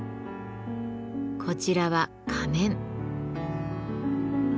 こちらは仮面。